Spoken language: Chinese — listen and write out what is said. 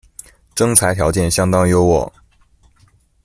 征才条件相当优渥